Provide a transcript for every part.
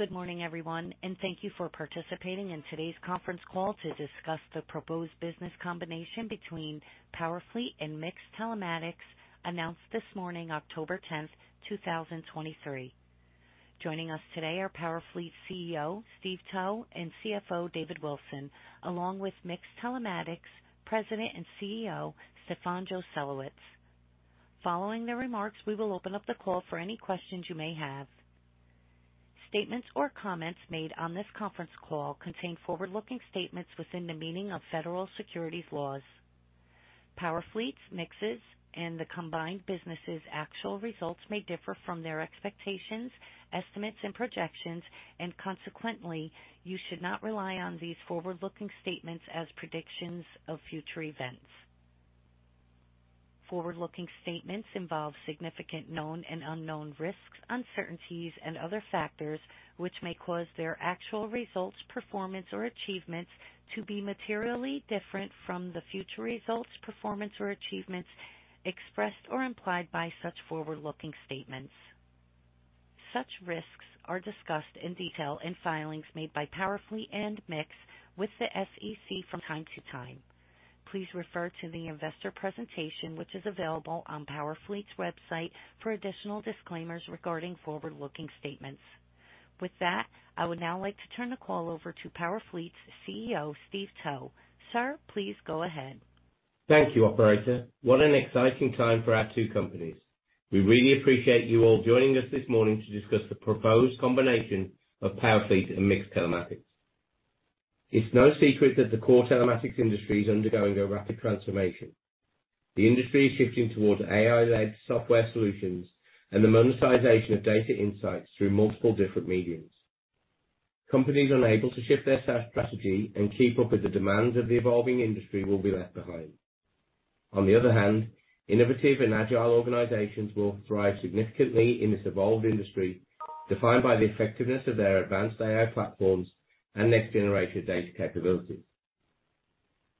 Good morning, everyone, and thank you for participating in today's conference call to discuss the proposed business combination between Powerfleet and MiX Telematics, announced this morning, October 10, 2023. Joining us today are Powerfleet CEO Steve Towe and CFO David Wilson, along with MiX Telematics President and CEO Stefan Joselowitz. Following their remarks, we will open up the call for any questions you may have. Statements or comments made on this conference call contain forward-looking statements within the meaning of federal securities laws. Powerfleet, MiX's, and the combined business's actual results may differ from their expectations, estimates, and projections, and consequently, you should not rely on these forward-looking statements as predictions of future events. Forward-looking statements involve significant known and unknown risks, uncertainties, and other factors which may cause their actual results, performance, or achievements to be materially different from the future results, performance, or achievements expressed or implied by such forward-looking statements. Such risks are discussed in detail in filings made by Powerfleet and MiX with the SEC from time to time. Please refer to the investor presentation, which is available on Powerfleet's website, for additional disclaimers regarding forward-looking statements. With that, I would now like to turn the call over to Powerfleet's CEO, Steve Towe. Sir, please go ahead. Thank you, operator. What an exciting time for our two companies! We really appreciate you all joining us this morning to discuss the proposed combination of Powerfleet and MiX Telematics. It's no secret that the core telematics industry is undergoing a rapid transformation. The industry is shifting towards AI-led software solutions and the monetization of data insights through multiple different mediums. Companies unable to shift their sales strategy and keep up with the demands of the evolving industry will be left behind. On the other hand, innovative and agile organizations will thrive significantly in this evolved industry, defined by the effectiveness of their advanced AI platforms and next-generation data capabilities.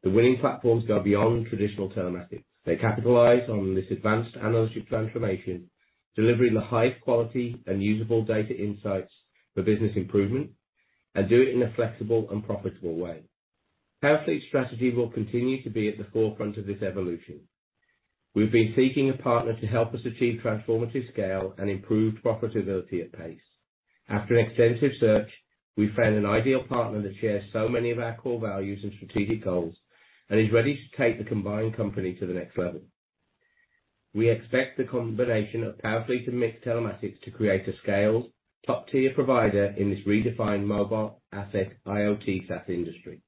The winning platforms go beyond traditional telematics. They capitalize on this advanced analytics transformation, delivering the highest quality and usable data insights for business improvement, and do it in a flexible and profitable way. Powerfleet's strategy will continue to be at the forefront of this evolution. We've been seeking a partner to help us achieve transformative scale and improved profitability at pace. After an extensive search, we found an ideal partner that shares so many of our core values and strategic goals and is ready to take the combined company to the next level. We expect the combination of Powerfleet and MiX Telematics to create a scaled, top-tier provider in this redefined mobile asset, IoT, SaaS industry.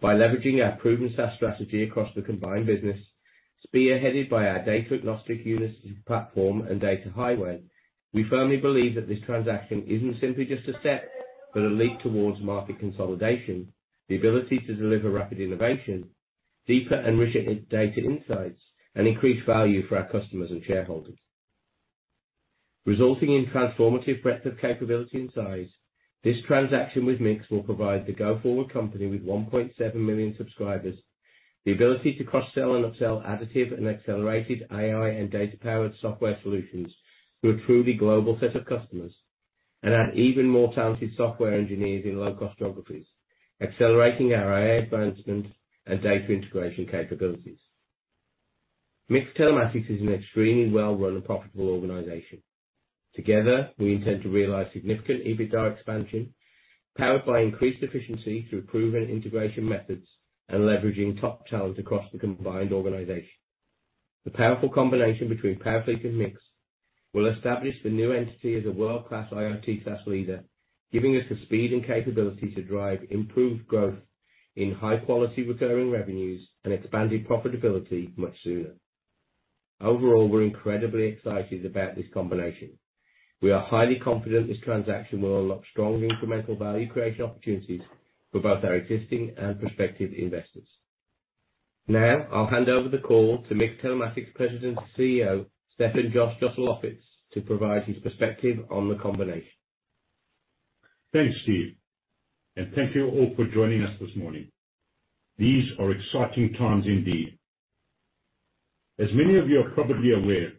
By leveraging our proven SaaS strategy across the combined business, spearheaded by our data-agnostic Unity Platform and Data Highway, we firmly believe that this transaction isn't simply just a step, but a leap towards market consolidation, the ability to deliver rapid innovation, deeper and richer in-data insights, and increased value for our customers and shareholders. Resulting in transformative breadth of capability and size, this transaction with MiX will provide the go-forward company with 1.7 million subscribers, the ability to cross-sell and upsell additive and accelerated AI and data-powered software solutions to a truly global set of customers, and add even more talented software engineers in low cost geographies, accelerating our AI advancements and data integration capabilities. MiX Telematics is an extremely well-run and profitable organization. Together, we intend to realize significant EBITDA expansion, powered by increased efficiency through proven integration methods and leveraging top talent across the combined organization. The powerful combination between Powerfleet and MiX will establish the new entity as a world-class IoT SaaS leader, giving us the speed and capability to drive improved growth in high-quality recurring revenues and expanded profitability much sooner. Overall, we're incredibly excited about this combination. We are highly confident this transaction will unlock strong incremental value creation opportunities for both our existing and prospective investors. Now, I'll hand over the call to MiX Telematics President and CEO, Stefan Joselowitz, to provide his perspective on the combination. Thanks, Steve, and thank you all for joining us this morning. These are exciting times indeed. As many of you are probably aware,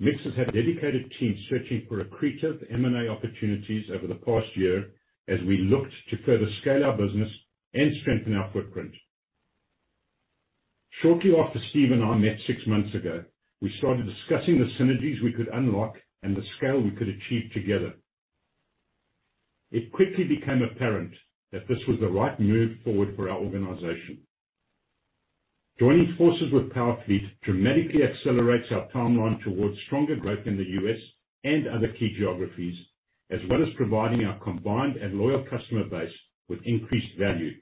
MiX has had a dedicated team searching for accretive M&A opportunities over the past year as we looked to further scale our business and strengthen our footprint. Shortly after Steve and I met six months ago, we started discussing the synergies we could unlock and the scale we could achieve together. It quickly became apparent that this was the right move forward for our organization. Joining forces with Powerfleet dramatically accelerates our timeline towards stronger growth in the U.S. and other key geographies, as well as providing our combined and loyal customer base with increased value.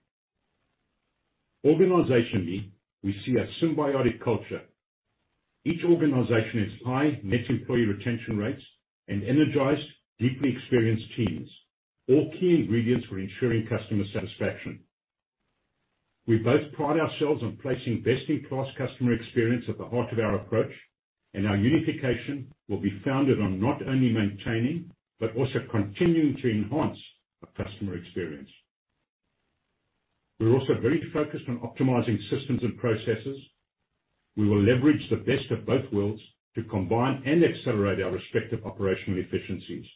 Organizationally, we see a symbiotic culture. Each organization has high net employee retention rates and energized, deeply experienced teams, all key ingredients for ensuring customer satisfaction. We both pride ourselves on placing best-in-class customer experience at the heart of our approach, and our unification will be founded on not only maintaining, but also continuing to enhance the customer experience. We're also very focused on optimizing systems and processes. We will leverage the best of both worlds to combine and accelerate our respective operational efficiencies.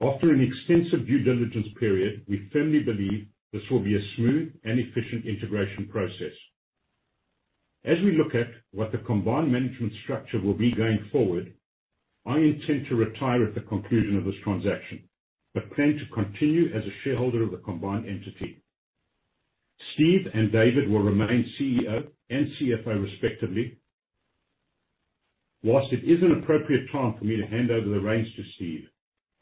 After an extensive due diligence period, we firmly believe this will be a smooth and efficient integration process. As we look at what the combined management structure will be going forward, I intend to retire at the conclusion of this transaction, but plan to continue as a shareholder of the combined entity. Steve and David will remain CEO and CFO, respectively. While it is an appropriate time for me to hand over the reins to Steve,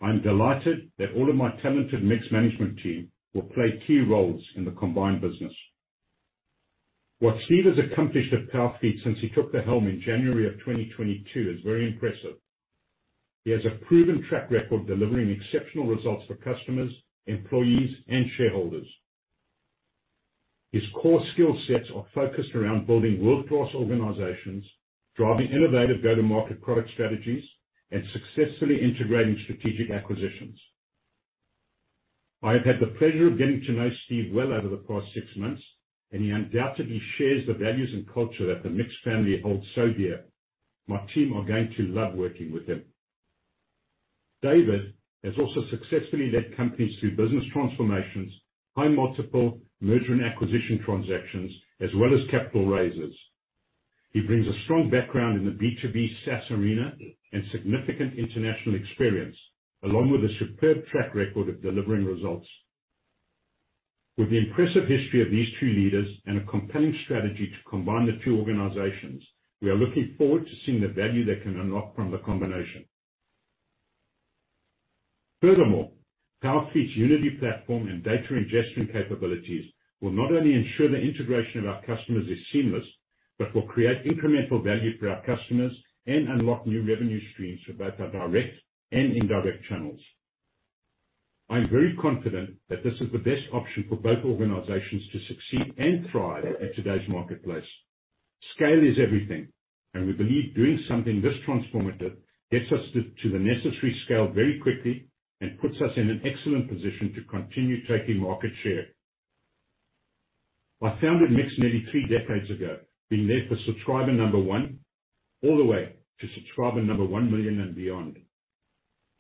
I'm delighted that all of my talented MiX management team will play key roles in the combined business. What Steve has accomplished at Powerfleet since he took the helm in January 2022 is very impressive. He has a proven track record delivering exceptional results for customers, employees, and shareholders. His core skill sets are focused around building world-class organizations, driving innovative go-to-market product strategies, and successfully integrating strategic acquisitions. I have had the pleasure of getting to know Steve well over the past six months, and he undoubtedly shares the values and culture that the MiX family holds so dear. My team are going to love working with him. David has also successfully led companies through business transformations, high-multiple merger and acquisition transactions, as well as capital raises. He brings a strong background in the B2B SaaS arena and significant international experience, along with a superb track record of delivering results. With the impressive history of these two leaders and a compelling strategy to combine the two organizations, we are looking forward to seeing the value they can unlock from the combination. Furthermore, Powerfleet's Unity platform and data ingestion capabilities will not only ensure the integration of our customers is seamless, but will create incremental value for our customers and unlock new revenue streams for both our direct and indirect channels. I'm very confident that this is the best option for both organizations to succeed and thrive in today's marketplace. Scale is everything, and we believe doing something this transformative gets us to the necessary scale very quickly and puts us in an excellent position to continue taking market share. I founded MiX nearly three decades ago, being there for subscriber number 1 all the way to subscriber number 1 million and beyond.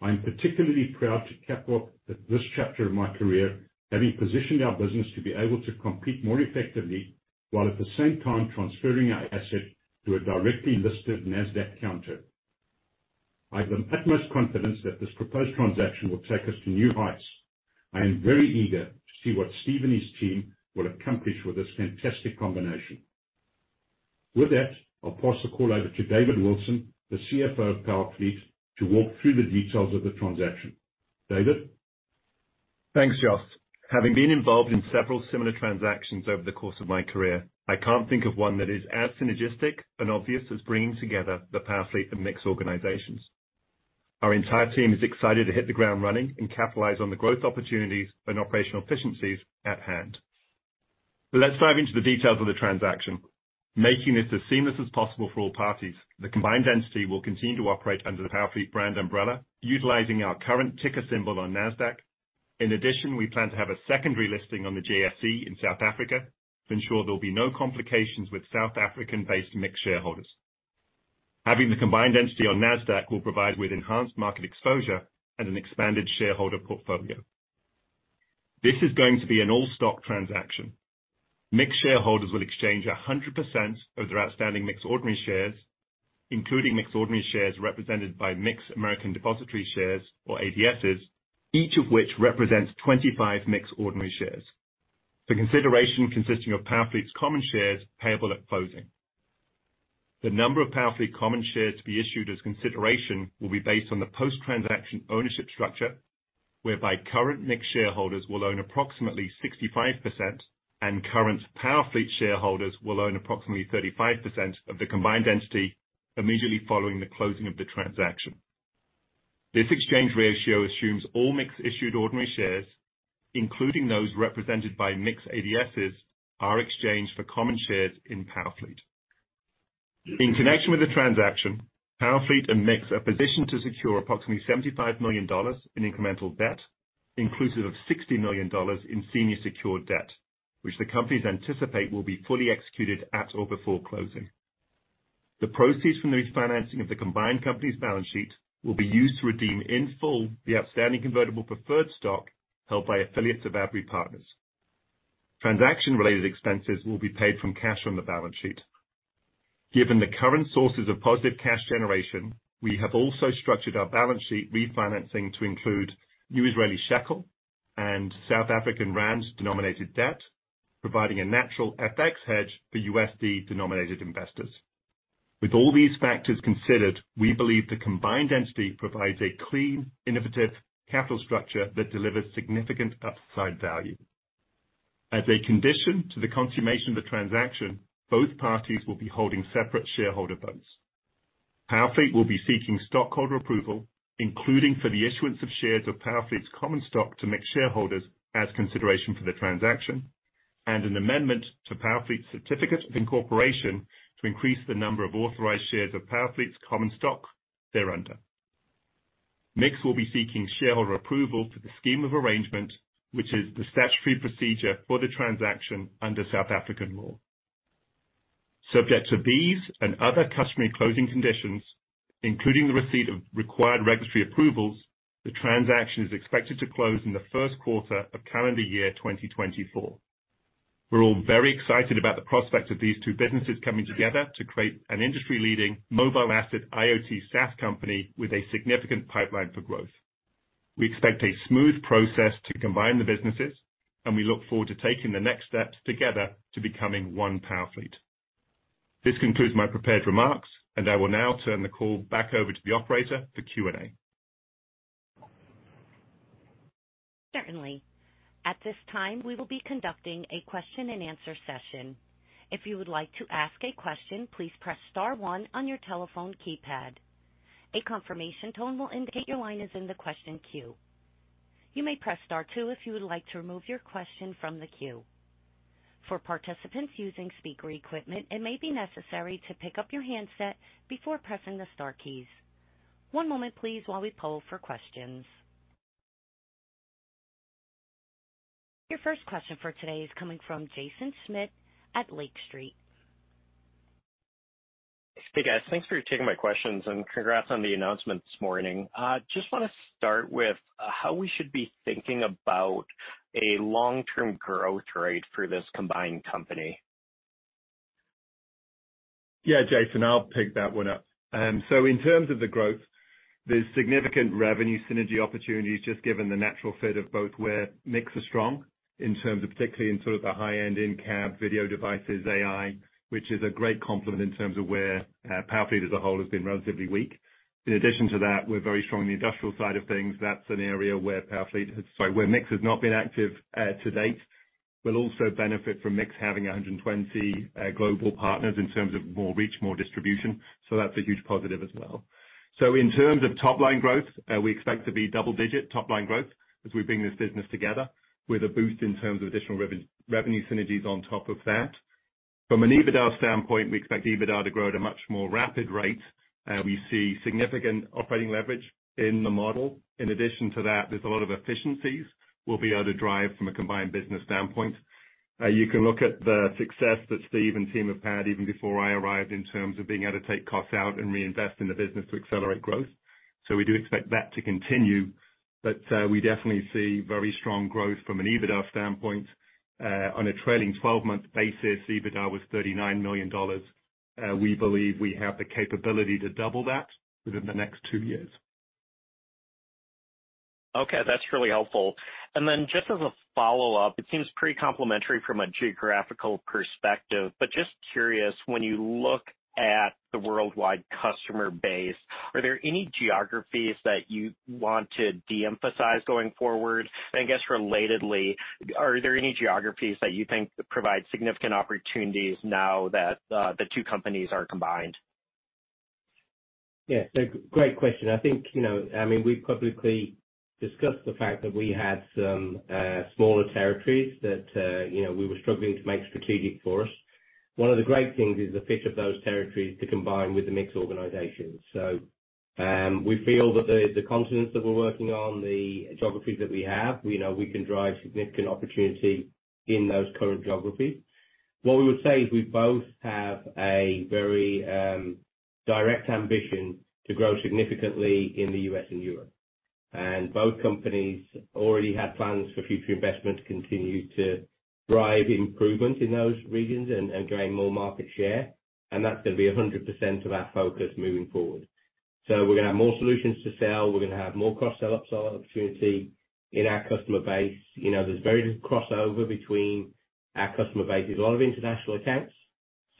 I'm particularly proud to cap off this chapter of my career, having positioned our business to be able to compete more effectively, while at the same time transferring our asset to a directly listed NASDAQ counter. I have the utmost confidence that this proposed transaction will take us to new heights. I am very eager to see what Steve and his team will accomplish with this fantastic combination. With that, I'll pass the call over to David Wilson, the CFO of Powerfleet, to walk through the details of the transaction. David? Thanks, Jos. Having been involved in several similar transactions over the course of my career, I can't think of one that is as synergistic and obvious as bringing together the Powerfleet and MiX organizations. Our entire team is excited to hit the ground running and capitalize on the growth opportunities and operational efficiencies at hand. Let's dive into the details of the transaction. Making this as seamless as possible for all parties, the combined entity will continue to operate under the Powerfleet brand umbrella, utilizing our current ticker symbol on NASDAQ. In addition, we plan to have a secondary listing on the JSE in South Africa to ensure there will be no complications with South African-based MiX shareholders. Having the combined entity on NASDAQ will provide with enhanced market exposure and an expanded shareholder portfolio. This is going to be an all-stock transaction. MiX shareholders will exchange 100% of their outstanding MiX ordinary shares, including MiX ordinary shares represented by MiX American Depositary Shares, or ADSs, each of which represents 25 MiX ordinary shares. The consideration consisting of Powerfleet's common shares payable at closing. The number of Powerfleet common shares to be issued as consideration will be based on the post-transaction ownership structure, whereby current MiX shareholders will own approximately 65%, and current Powerfleet shareholders will own approximately 35% of the combined entity immediately following the closing of the transaction. This exchange ratio assumes all MiX-issued ordinary shares, including those represented by MiX ADSs, are exchanged for common shares in Powerfleet. In connection with the transaction, Powerfleet and MiX are positioned to secure approximately $75 million in incremental debt, inclusive of $60 million in senior secured debt, which the companies anticipate will be fully executed at or before closing. The proceeds from the refinancing of the combined company's balance sheet will be used to redeem, in full, the outstanding convertible preferred stock held by affiliates of Abry Partners. Transaction-related expenses will be paid from cash on the balance sheet. Given the current sources of positive cash generation, we have also structured our balance sheet refinancing to include new Israeli shekel and South African rand-denominated debt, providing a natural FX hedge for USD-denominated investors. With all these factors considered, we believe the combined entity provides a clean, innovative capital structure that delivers significant upside value. As a condition to the consummation of the transaction, both parties will be holding separate shareholder votes. Powerfleet will be seeking stockholder approval, including for the issuance of shares of Powerfleet's common stock to MiX shareholders as consideration for the transaction, and an amendment to Powerfleet's certificate of incorporation to increase the number of authorized shares of Powerfleet's common stock thereafter. MiX will be seeking shareholder approval for the scheme of arrangement, which is the statutory procedure for the transaction under South African law. Subject to these and other customary closing conditions, including the receipt of required registry approvals, the transaction is expected to close in the first quarter of calendar year 2024. We're all very excited about the prospects of these two businesses coming together to create an industry-leading mobile asset IoT SaaS company with a significant pipeline for growth. We expect a smooth process to combine the businesses, and we look forward to taking the next steps together to becoming one Powerfleet. This concludes my prepared remarks, and I will now turn the call back over to the operator for Q&A. Certainly. At this time, we will be conducting a question-and-answer session. If you would like to ask a question, please press star one on your telephone keypad. A confirmation tone will indicate your line is in the question queue. You may press star two if you would like to remove your question from the queue. For participants using speaker equipment, it may be necessary to pick up your handset before pressing the star keys. One moment, please, while we poll for questions. Your first question for today is coming from Jaeson Schmidt at Lake Street. Hey, guys. Thanks for taking my questions, and congrats on the announcement this morning. Just want to start with how we should be thinking about a long-term growth rate for this combined company? Yeah, Jaeson, I'll pick that one up. So in terms of the growth, there's significant revenue synergy opportunities, just given the natural fit of both where MiX is strong, in terms of particularly in sort of the high-end in-cab video devices, AI, which is a great complement in terms of where Powerfleet as a whole has been relatively weak. In addition to that, we're very strong on the industrial side of things. That's an area where Powerfleet, sorry, where MiX has not been active to date. We'll also benefit from MiX having 120 global partners in terms of more reach, more distribution, so that's a huge positive as well. So in terms of top line growth, we expect to be double digit top line growth as we bring this business together, with a boost in terms of additional revenue synergies on top of that. From an EBITDA standpoint, we expect EBITDA to grow at a much more rapid rate. We see significant operating leverage in the model. In addition to that, there's a lot of efficiencies we'll be able to drive from a combined business standpoint. You can look at the success that Steve and team have had, even before I arrived, in terms of being able to take costs out and reinvest in the business to accelerate growth. So we do expect that to continue, but, we definitely see very strong growth from an EBITDA standpoint. On a trailing 12-month basis, EBITDA was $39 million. We believe we have the capability to double that within the next two years. Okay, that's really helpful. Just as a follow-up, it seems pretty complimentary from a geographical perspective. Just curious, when you look at the worldwide customer base, are there any geographies that you want to de-emphasize going forward? I guess, relatedly, are there any geographies that you think provide significant opportunities now that the two companies are combined? Yeah, so great question. I think, you know, I mean, we've publicly discussed the fact that we had some smaller territories that, you know, we were struggling to make strategic for us. One of the great things is the fit of those territories to combine with the MiX organization. So, we feel that the, the continents that we're working on, the geographies that we have, we know we can drive significant opportunity in those current geographies. What we would say is we both have a very direct ambition to grow significantly in the U.S. and Europe, and both companies already had plans for future investment to continue to drive improvement in those regions and, and gain more market share. That's going to be 100% of our focus moving forward. So we're gonna have more solutions to sell. We're gonna have more cross-sell, upsell opportunity in our customer base. You know, there's very little crossover between our customer base. There's a lot of international accounts,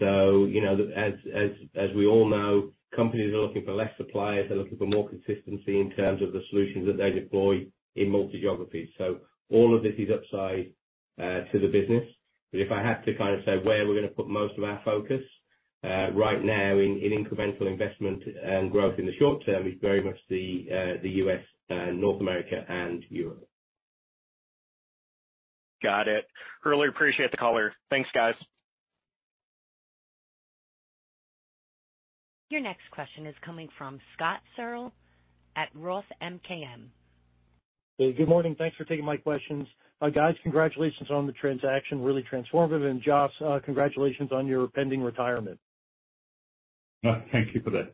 so, you know, as we all know, companies are looking for less suppliers. They're looking for more consistency in terms of the solutions that they deploy in multi geographies. So all of this is upside to the business. But if I have to kind of say where we're gonna put most of our focus, right now in incremental investment and growth in the short term, is very much the U.S., North America and Europe. Got it. Really appreciate the caller. Thanks, guys. Your next question is coming from Scott Searle at Roth MKM. Hey, good morning. Thanks for taking my questions. Guys, congratulations on the transaction, really transformative, and Jos, congratulations on your pending retirement. Thank you for that.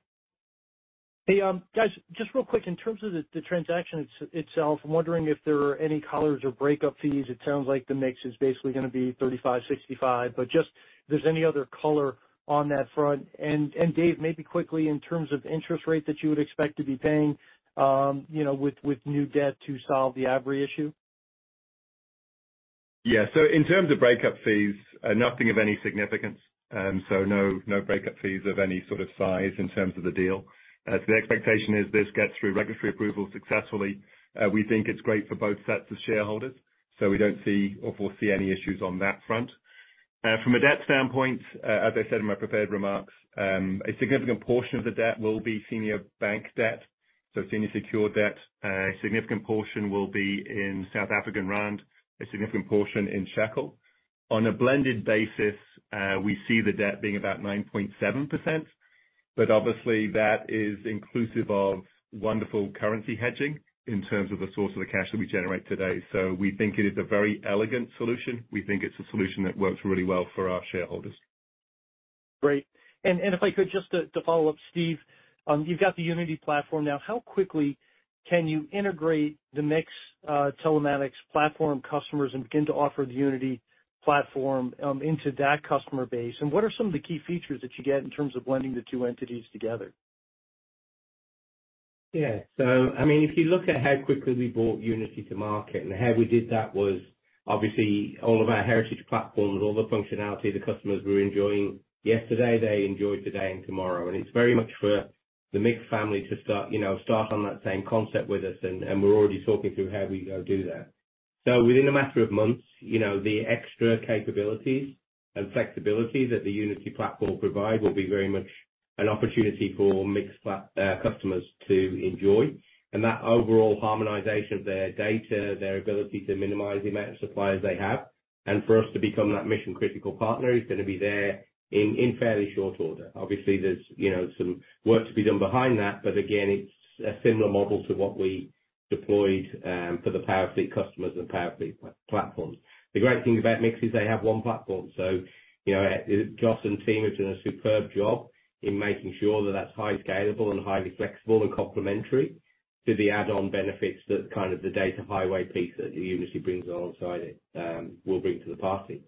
Hey, guys, just real quick, in terms of the transaction itself, I'm wondering if there are any callers or breakup fees. It sounds like the MiX is basically gonna be 35/65, but just if there's any other color on that front. Dave, maybe quickly, in terms of interest rate that you would expect to be paying, you know, with new debt to solve the Abry issue? Yeah. So in terms of breakup fees, nothing of any significance. So no, no breakup fees of any sort of size in terms of the deal. The expectation is this gets through regulatory approval successfully. We think it's great for both sets of shareholders, so we don't see or foresee any issues on that front. From a debt standpoint, as I said in my prepared remarks, a significant portion of the debt will be senior bank debt, so senior secured debt. A significant portion will be in South African rand, a significant portion in shekel. On a blended basis, we see the debt being about 9.7%. But obviously, that is inclusive of wonderful currency hedging in terms of the source of the cash that we generate today. So we think it is a very elegant solution. We think it's a solution that works really well for our shareholders. Great. And if I could just to follow up, Steve, you've got the Unity platform now. How quickly can you integrate the MiX Telematics platform customers and begin to offer the Unity platform into that customer base? And what are some of the key features that you get in terms of blending the two entities together? Yeah. I mean, if you look at how quickly we brought Unity to market, and how we did that was obviously all of our heritage platforms, all the functionality the customers were enjoying yesterday, they enjoy today and tomorrow. It's very much for the MiX family to start, you know, start on that same concept with us, and we're already talking through how we go do that. Within a matter of months, you know, the extra capabilities and flexibility that the Unity platform provide will be very much an opportunity for MiX customers to enjoy. That overall harmonization of their data, their ability to minimize the amount of suppliers they have, and for us to become that mission-critical partner, is going to be there in fairly short order. Obviously, there's, you know, some work to be done behind that. Again, it's a similar model to what we deployed for the Powerfleet customers and the Powerfleet platforms. The great thing about MiX is they have one platform. You know, Jos and team have done a superb job in making sure that that's highly scalable and highly flexible and complementary to the add-on benefits, that kind of the Data Highway piece that Unity brings alongside it, will bring to the party.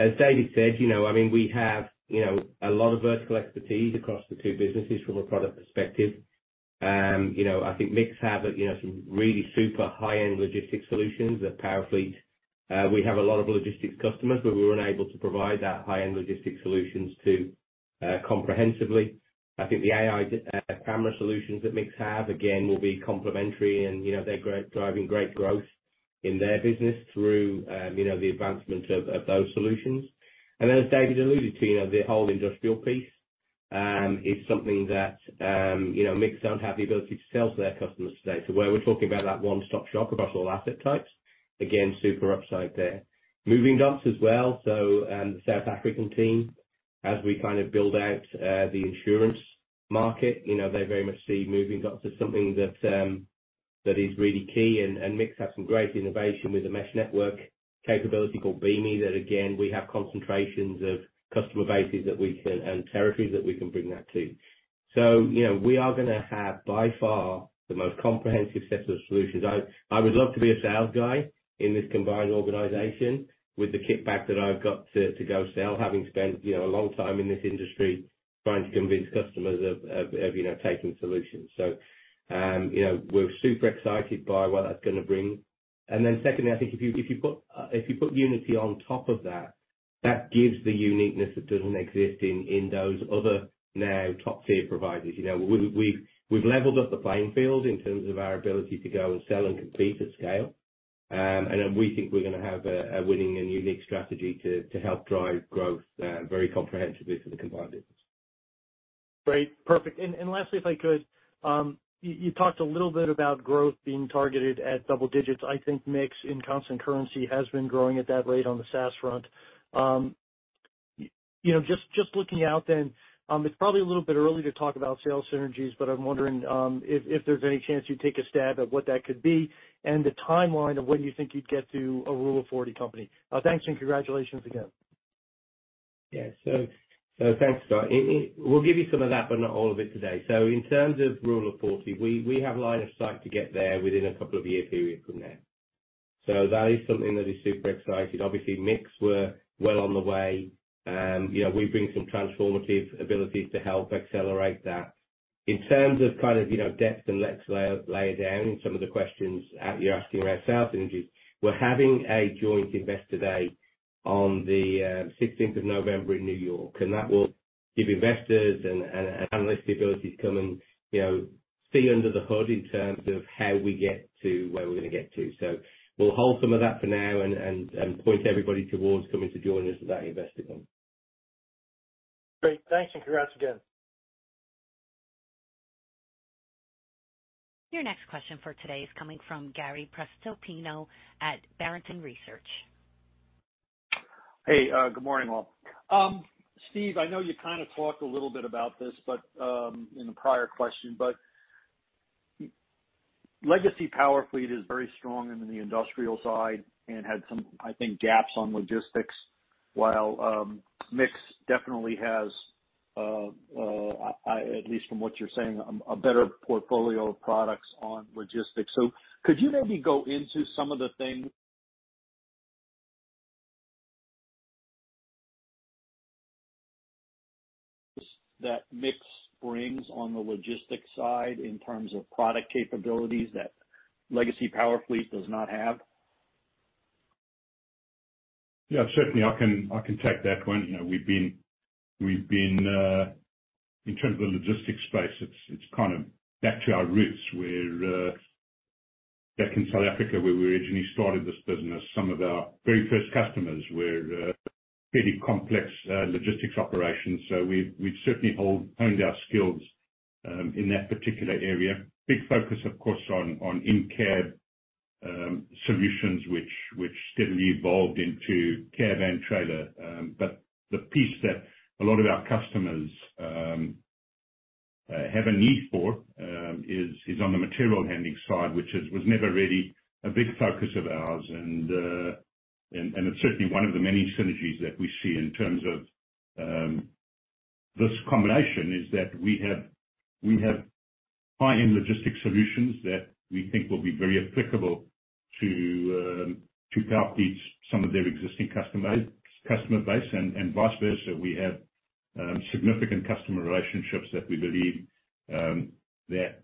As David said, you know, I mean, we have, you know, a lot of vertical expertise across the two businesses from a product perspective. You know, I think MiX have, you know, some really super high-end logistics solutions. At Powerfleet, we have a lot of logistics customers who we were unable to provide that high-end logistics solutions to, comprehensively. I think the AI camera solutions that MiX have, again, will be complementary and, you know, they're driving great growth in their business through, you know, the advancement of those solutions. And as David alluded to, you know, the whole industrial piece is something that, you know, MiX don't have the ability to sell to their customers today. So where we're talking about that one-stop shop across all asset types, again, super upside there. Moving dots as well. So the South African team, as we kind of build out the insurance market, you know, they very much see Movingdots as something that that is really key. And MiX have some great innovation with the mesh network capability called Beame, that, again, we have concentrations of customer bases that we can. And territories that we can bring that to. So, you know, we are gonna have, by far, the most comprehensive set of solutions. I would love to be a sales guy in this combined organization with the kickback that I've got to go sell, having spent, you know, a long time in this industry trying to convince customers of taking solutions. So, you know, we're super excited by what that's gonna bring. And then secondly, I think if you put Unity on top of that, that gives the uniqueness that doesn't exist in those other now top-tier providers. You know, we've leveled up the playing field in terms of our ability to go and sell and compete at scale. And then we think we're gonna have a winning and unique strategy to help drive growth very comprehensively for the combined business. Great. Perfect. And lastly, if I could, you talked a little bit about growth being targeted at double digits. I think MiX in constant currency has been growing at that rate on the SaaS front. You know, just looking out then, it's probably a little bit early to talk about sales synergies, but I'm wondering, if there's any chance you'd take a stab at what that could be and the timeline of when you think you'd get to a Rule of 40 company. Thanks, and congratulations again. Yeah. So, so thanks, Scott. It- we'll give you some of that, but not all of it today. So in terms of Rule of 40, we, we have line of sight to get there within a couple of year period from now. So that is something that is super exciting. Obviously, MiX, we're well on the way. You know, we bring some transformative abilities to help accelerate that. In terms of kind of, you know, depth and next layer, layer down in some of the questions, you're asking around sales synergies, we're having a joint Investor Day on the 16th of November in New York, and that will give investors and, and analysts the ability to come and, you know, see under the hood in terms of how we get to where we're gonna get to. So we'll hold some of that for now and point everybody towards coming to join us at that Investor Day. Great. Thanks, and congrats again. Your next question for today is coming from Gary Prestopino at Barrington Research. Hey, good morning, all. Steve, I know you kind of talked a little bit about this, but in the prior question, but legacy Powerfleet is very strong in the industrial side and had some, I think, gaps on logistics, while MiX definitely has, at least from what you're saying, a better portfolio of products on logistics. So could you maybe go into some of the things that MiX brings on the logistics side in terms of product capabilities that legacy Powerfleet does not have? Yeah, certainly. I can, I can take that one. You know, we've been, we've been in terms of the logistics space, it's, it's kind of back to our roots, where back in South Africa, where we originally started this business, some of our very first customers were fairly complex logistics operations. So we, we certainly honed our skills in that particular area. Big focus, of course, on in-cab solutions, which steadily evolved into cab and trailer. But the piece that a lot of our customers have a need for is on the material handling side, which was never really a big focus of ours. And it's certainly one of the many synergies that we see in terms of this combination, is that we have high-end logistics solutions that we think will be very applicable to Powerfleet's some of their existing customer base, and vice versa. We have significant customer relationships that we believe that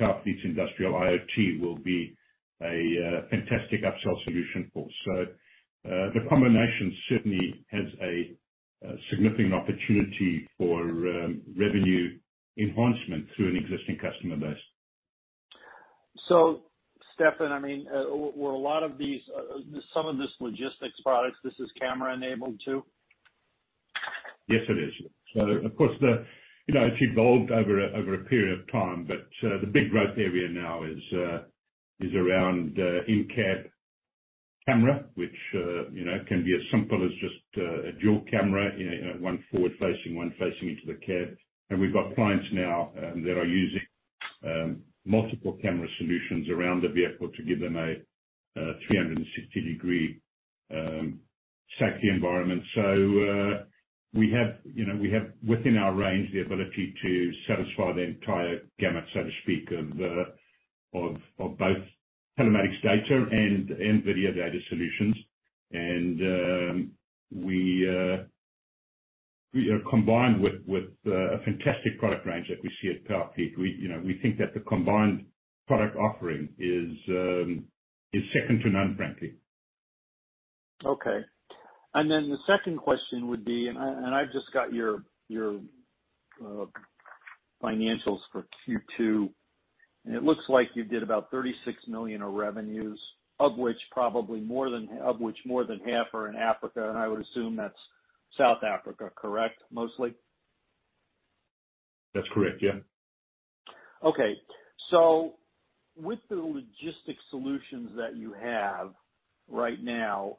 Powerfleet industrial IoT will be a fantastic upsell solution for. The combination certainly has a significant opportunity for revenue enhancement through an existing customer base. So, Stefan, I mean, were a lot of these, some of this logistics products, this is camera-enabled too? Yes, it is. So of course, you know, it's evolved over a period of time, but the big growth area now is around in-cab camera, which, you know, can be as simple as just a dual camera, you know, one forward facing, one facing into the cab. And we've got clients now that are using multiple camera solutions around the vehicle to give them a 360-degree safety environment. So we have, you know, we have, within our range, the ability to satisfy the entire gamut, so to speak, of both telematics data and video data solutions. And we are combined with a fantastic product range that we see at Powerfleet. We, you know, we think that the combined product offering is second to none, frankly. Okay. And then the second question would be, and I, and I've just got your, your financials for Q2, and it looks like you did about $36 million of revenues, of which probably more than, of which more than half are in Africa. And I would assume that's South Africa, correct, mostly? That's correct, yeah. Okay, so with the logistics solutions that you have right now,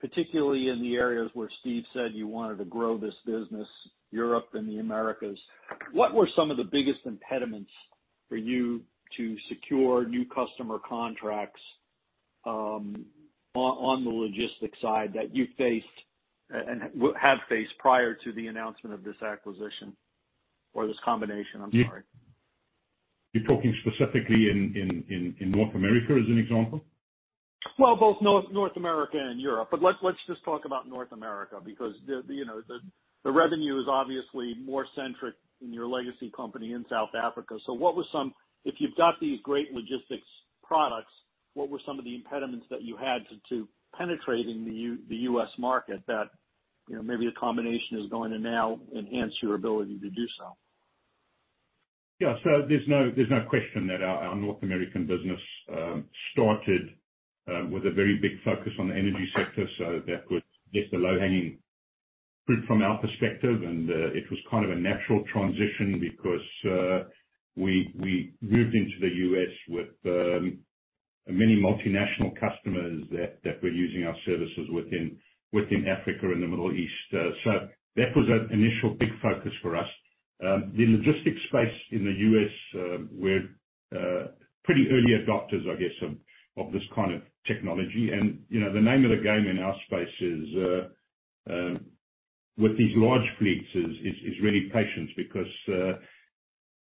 particularly in the areas where Steve said you wanted to grow this business, Europe and the Americas, what were some of the biggest impediments for you to secure new customer contracts, on, on the logistics side, that you faced and have faced prior to the announcement of this acquisition or this combination, I'm sorry? You're talking specifically in North America, as an example? Well, both North America and Europe, but let's just talk about North America, because, you know, the revenue is obviously more centric in your legacy company in South Africa. So what were some. If you've got these great logistics products, what were some of the impediments that you had to penetrating the U.S. market that, you know, maybe the combination is going to now enhance your ability to do so? Yeah. So there's no, there's no question that our, our North American business started with a very big focus on the energy sector, so that was just the low-hanging fruit from our perspective. And it was kind of a natural transition, because we, we moved into the U.S. with many multinational customers that, that were using our services within, within Africa and the Middle East. So that was an initial big focus for us. The logistics space in the U.S., we're pretty early adopters, I guess, of, of this kind of technology. And, you know, the name of the game in our space is with these large fleets is, is, is really patience, because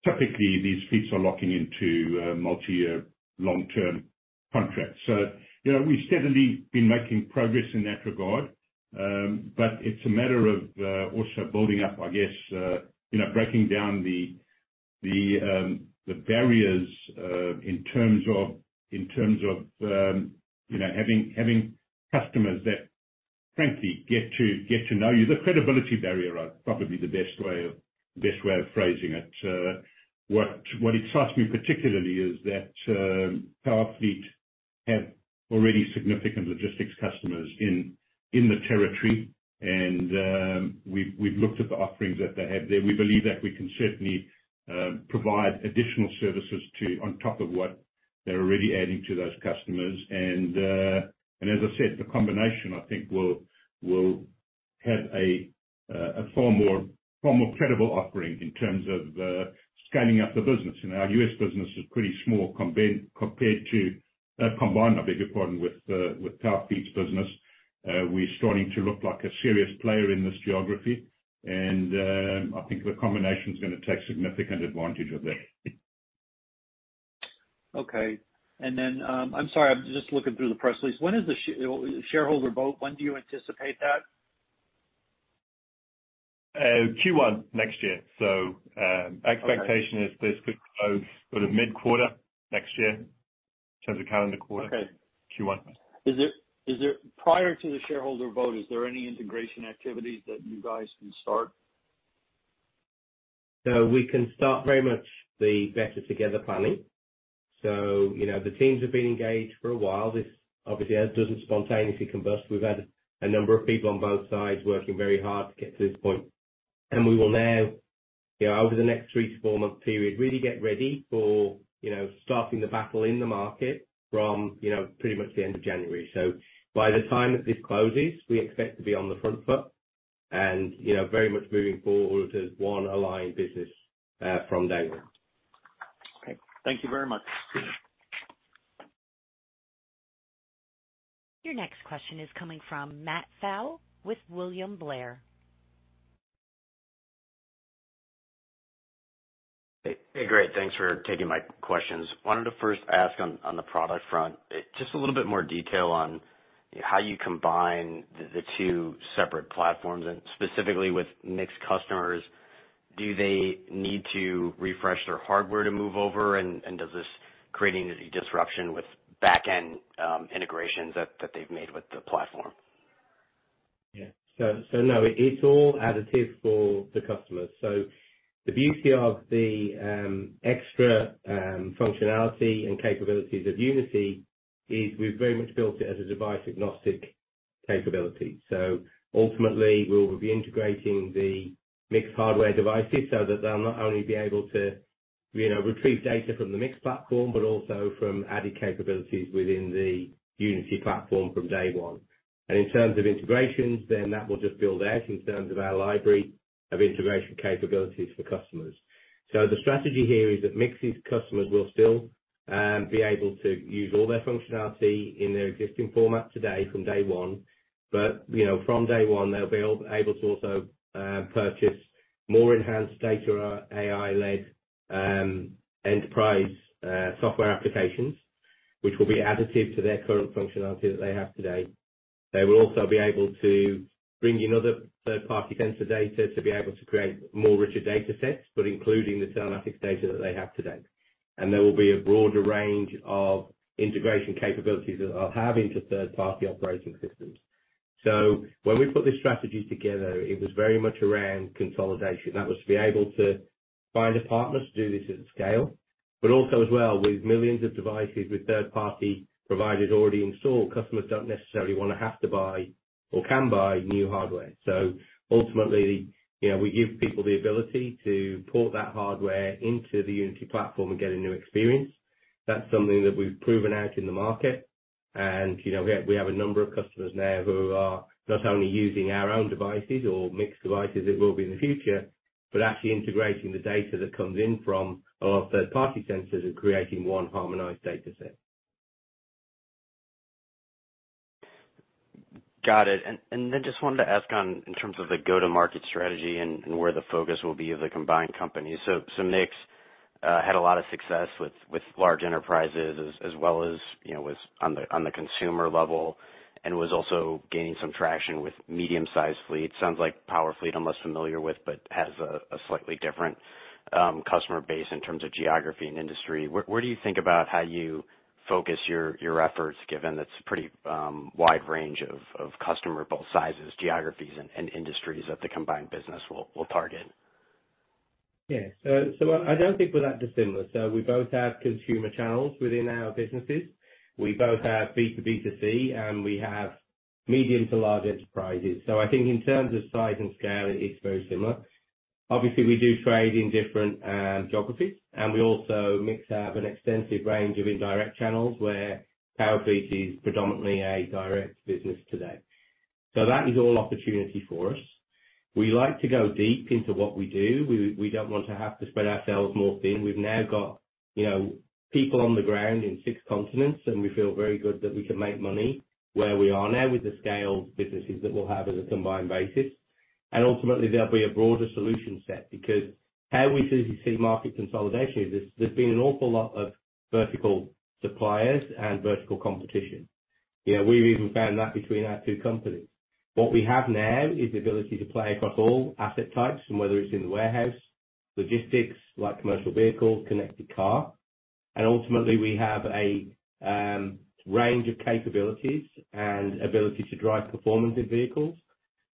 typically these fleets are locking into multi-year, long-term contracts. So, you know, we've steadily been making progress in that regard, but it's a matter of also building up, I guess, you know, breaking down the barriers in terms of you know, having customers that, frankly, get to know you. The credibility barrier are probably the best way of phrasing it. What excites me particularly is that Powerfleet have already significant logistics customers in the territory. And we've looked at the offerings that they have there. We believe that we can certainly provide additional services on top of what they're already adding to those customers. And as I said, the combination, I think, will have a far more credible offering in terms of scaling up the business. You know, our U.S. business is pretty small compared to combined, I beg your pardon, with Powerfleet's business. We're starting to look like a serious player in this geography, and I think the combination is gonna take significant advantage of that. Okay. And then, I'm sorry, I'm just looking through the press release. When is the shareholder vote? When do you anticipate that? Q1 next year. So, Okay. Expectation is this could close sort of mid-quarter next year, in terms of calendar quarter. Okay. Q1. Prior to the shareholder vote, is there any integration activities that you guys can start? We can start very much the better together planning. So, you know, the teams have been engaged for a while. This obviously doesn't spontaneously combust. We've had a number of people on both sides working very hard to get to this point, and we will now, you know, over the next 3-month to 4-month period, really get ready for, you know, starting the battle in the market from, you know, pretty much the end of January. So by the time that this closes, we expect to be on the front foot and, you know, very much moving forward as one aligned business from day one. Okay, thank you very much. Your next question is coming from Matt Pfau with William Blair. Hey, great. Thanks for taking my questions. Wanted to first ask on, on the product front, just a little bit more detail on how you combine the, the two separate platforms, and specifically with MiX customers, do they need to refresh their hardware to move over? And, and does this creating any disruption with back-end, integrations that, that they've made with the platform? Yeah. So, so no, it's all additive for the customer. So the beauty of the extra functionality and capabilities of Unity is we've very much built it as a device agnostic capability. So ultimately, we'll be integrating the MiX hardware devices so that they'll not only be able to, you know, retrieve data from the MiX platform, but also from added capabilities within the Unity platform from day one. And in terms of integrations, then that will just build out in terms of our library of integration capabilities for customers. So the strategy here is that MiX's customers will still be able to use all their functionality in their existing format today from day one. But, you know, from day one, they'll be able to also, purchase more enhanced data, AI-led, enterprise, software applications, which will be additive to their current functionality that they have today. They will also be able to bring in other third-party sensor data to be able to create more richer datasets, but including the Telematics data that they have today. And there will be a broader range of integration capabilities that I'll have into third-party operating systems. So when we put this strategy together, it was very much around consolidation. That was to be able to find a partner to do this at scale, but also as well, with millions of devices, with third-party providers already installed, customers don't necessarily want to have to buy or can buy new hardware. So ultimately, you know, we give people the ability to port that hardware into the Unity platform and get a new experience. That's something that we've proven out in the market. And, you know, we have a number of customers now who are not only using our own devices or mixed devices, it will be in the future, but actually integrating the data that comes in from a lot of third-party sensors and creating one harmonized dataset. Got it. And then just wanted to ask on, in terms of the go-to-market strategy and where the focus will be of the combined company. So MiX had a lot of success with large enterprises as well as, you know, was on the consumer level and was also gaining some traction with medium-sized fleets. Sounds like Powerfleet, I'm less familiar with, but has a slightly different customer base in terms of geography and industry. Where do you think about how you focus your efforts, given that's a pretty wide range of customer, both sizes, geographies and industries that the combined business will target? Yeah. So, so I don't think we're that dissimilar. So we both have consumer channels within our businesses. We both have B2B2C, and we have medium to large enterprises. So I think in terms of size and scale, it is very similar. Obviously, we do trade in different geographies, and we also MiX up an extensive range of indirect channels where Powerfleet is predominantly a direct business today. So that is all opportunity for us. We like to go deep into what we do. We, we don't want to have to spread ourselves more thin. We've now got, you know, people on the ground in six continents, and we feel very good that we can make money where we are now with the scale of businesses that we'll have as a combined basis. Ultimately, there'll be a broader solution set because how we see market consolidation is there's been an awful lot of vertical suppliers and vertical competition. You know, we've even found that between our two companies. What we have now is the ability to play across all asset types, whether it's in the warehouse, logistics, like commercial vehicle, connected car. Ultimately, we have a range of capabilities and ability to drive performance in vehicles,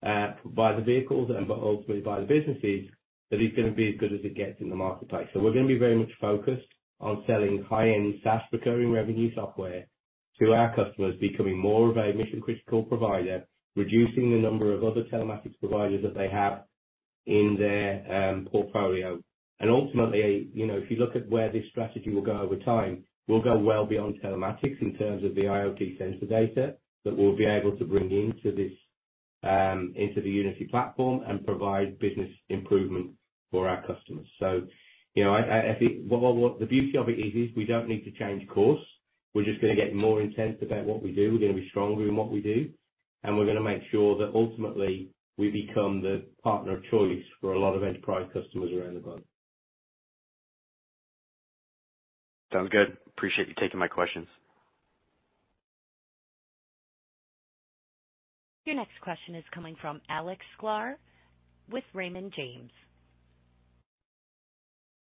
by the vehicles, and ultimately by the businesses. That is gonna be as good as it gets in the marketplace. We're gonna be very much focused on selling high-end SaaS recurring revenue software to our customers, becoming more of a mission-critical provider, reducing the number of other telematics providers that they have in their portfolio. Ultimately, you know, if you look at where this strategy will go over time, we'll go well beyond telematics in terms of the IoT sensor data that we'll be able to bring into this, into the Unity platform and provide business improvement for our customers. You know, I think what the beauty of it is, is we don't need to change course. We're just gonna get more intense about what we do. We're gonna be stronger in what we do, and we're gonna make sure that ultimately we become the partner of choice for a lot of enterprise customers around the globe. Sounds good. Appreciate you taking my questions. Your next question is coming from Alex Sklar with Raymond James.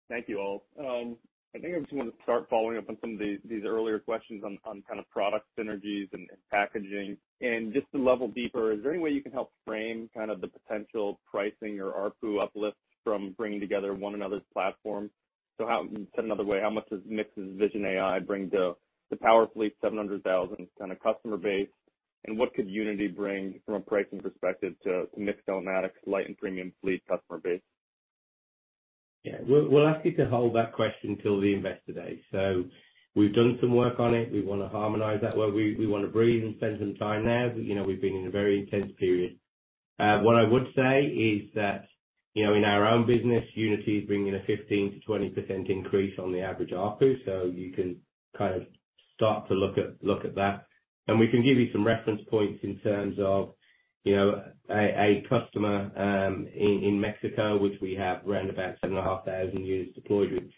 Thank you all. I think I'm just gonna start following up on some of these earlier questions on kind of product synergies and packaging. And just to level deeper, is there any way you can help frame kind of the potential pricing or ARPU uplifts from bringing together one another's platforms? So how, you said another way, how much does MiX's Vision AI bring to the Powerfleet 700,000 kind of customer base? And what could Unity bring from a pricing perspective to MiX Telematics light and premium fleet customer base? Yeah, we'll ask you to hold that question till the Investor Day. So we've done some work on it. We want to harmonize that where we want to breathe and spend some time there. You know, we've been in a very intense period. What I would say is that, you know, in our own business, Unity is bringing a 15%-20% increase on the average ARPU, so you can kind of start to look at, look at that. And we can give you some reference points in terms of, you know, a customer in Mexico, which we have around about 7,500 units deployed, which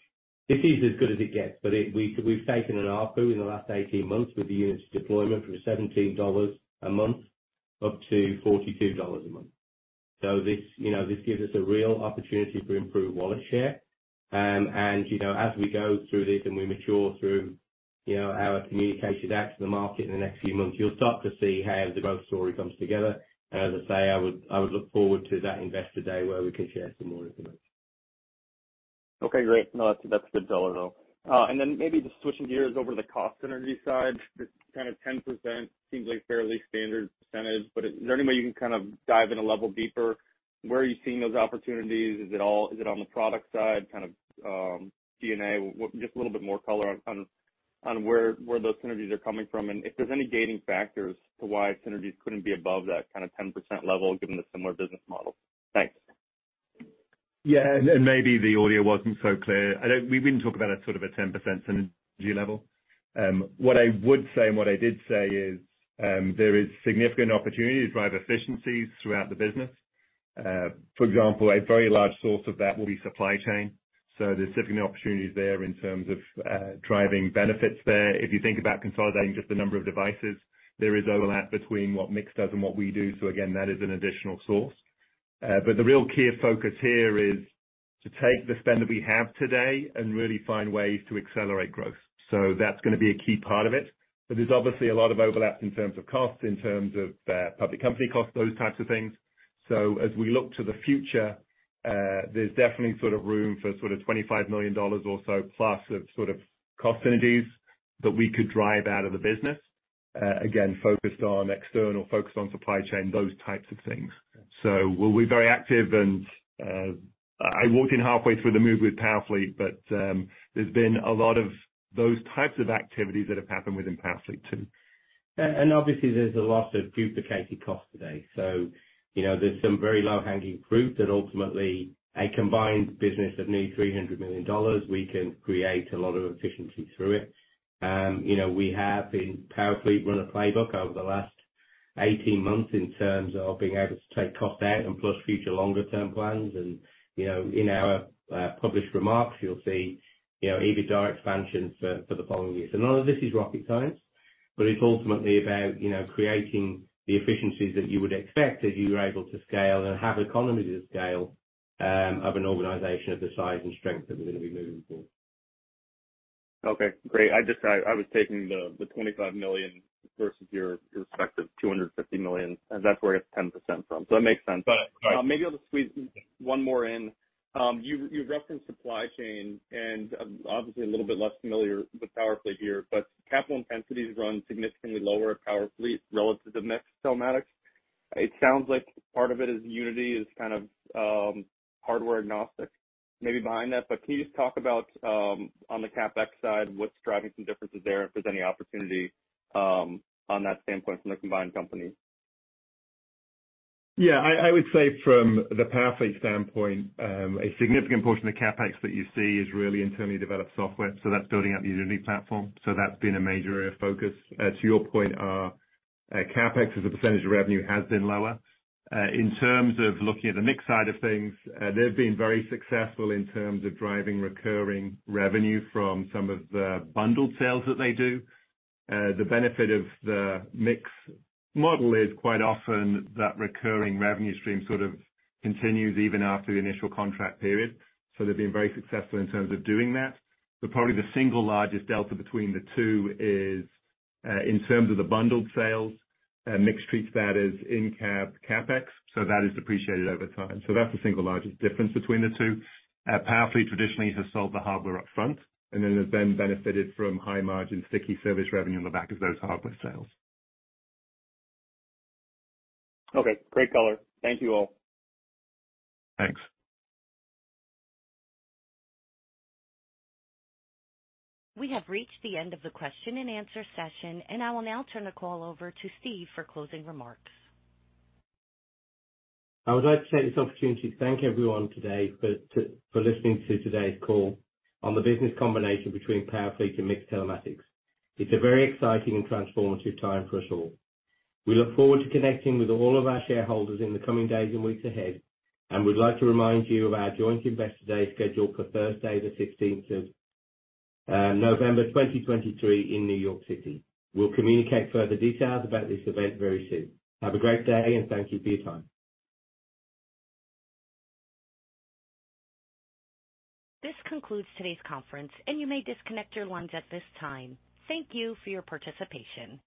this is as good as it gets. But we, we've taken an ARPU in the last 18 months with the units deployed from $17 a month up to $42 a month. So this, you know, this gives us a real opportunity to improve wallet share. And, you know, as we go through this and we mature through, you know, our communication out to the market in the next few months, you'll start to see how the growth story comes together. As I say, I would, I would look forward to that Investor Day where we can share some more information. Okay, great. No, that's, that's a good dollar though. And then maybe just switching gears over to the cost synergy side, this kind of 10% seems like a fairly standard percentage, but is there any way you can kind of dive in a level deeper? Where are you seeing those opportunities? Is it all- is it on the product side, kind of, DNA? Just a little bit more color on, on, on where, where those synergies are coming from, and if there's any gating factors to why synergies couldn't be above that kind of 10% level, given the similar business model. Thanks. Yeah, and maybe the audio wasn't so clear. We didn't talk about a sort of a 10% synergy level. What I would say, and what I did say is, there is significant opportunity to drive efficiencies throughout the business. For example, a very large source of that will be supply chain. So there's significant opportunities there in terms of driving benefits there. If you think about consolidating just the number of devices, there is overlap between what MiX does and what we do. So again, that is an additional source. But the real key focus here is to take the spend that we have today and really find ways to accelerate growth. So that's gonna be a key part of it. But there's obviously a lot of overlap in terms of costs, in terms of, public company costs, those types of things. So as we look to the future, there's definitely sort of room for sort of $25 million or so plus, of sort of cost synergies that we could drive out of the business. Again, focused on external, focused on supply chain, those types of things. So we'll be very active, and, I walked in halfway through the move with Powerfleet, but, there's been a lot of those types of activities that have happened within Powerfleet too. Obviously there's a lot of duplicated costs today. So, you know, there's some very low-hanging fruit that ultimately a combined business of nearly $300 million, we can create a lot of efficiency through it. You know, we have been, Powerfleet, run a playbook over the last 18 months in terms of being able to take cost out and plus future longer term plans. And, you know, in our published remarks, you'll see, you know, EBITDA expansion for the following years. And none of this is rocket science, but it's ultimately about, you know, creating the efficiencies that you would expect as you were able to scale and have the economies of scale of an organization of the size and strength that we're going to be moving forward. Okay, great. I just was taking the $25 million versus your respective $250 million, and that's where I get the 10% from. So it makes sense. Got it. But maybe I'll just squeeze one more in. You, you referenced supply chain, and obviously, a little bit less familiar with Powerfleet here, but capital intensity has run significantly lower at Powerfleet relative to MiX Telematics. It sounds like part of it is Unity is kind of, hardware agnostic, maybe behind that, but can you just talk about, on the CapEx side, what's driving some differences there, if there's any opportunity, on that standpoint from the combined company? Yeah, I would say from the Powerfleet standpoint, a significant portion of CapEx that you see is really internally developed software, so that's building out the Unity platform. So that's been a major area of focus. To your point, our CapEx, as a percentage of revenue, has been lower. In terms of looking at the MiX side of things, they've been very successful in terms of driving recurring revenue from some of the bundled sales that they do. The benefit of the MiX model is, quite often, that recurring revenue stream sort of continues even after the initial contract period. So they've been very successful in terms of doing that. But probably the single largest delta between the two is, in terms of the bundled sales, MiX treats that as in-cab CapEx, so that is depreciated over time. So that's the single largest difference between the two. Powerfleet traditionally has sold the hardware up front and then has benefited from high-margin, sticky service revenue on the back of those hardware sales. Okay, great color. Thank you all. Thanks. We have reached the end of the question and answer session, and I will now turn the call over to Steve for closing remarks. I would like to take this opportunity to thank everyone today for listening to today's call on the business combination between Powerfleet and MiX Telematics. It's a very exciting and transformative time for us all. We look forward to connecting with all of our shareholders in the coming days and weeks ahead, and we'd like to remind you of our joint Investor Day schedule for Thursday, the 15th of November 2023, in New York City. We'll communicate further details about this event very soon. Have a great day, and thank you for your time. This concludes today's conference, and you may disconnect your lines at this time. Thank you for your participation.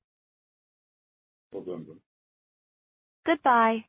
Well done. Goodbye.